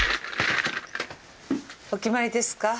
お決まりですか。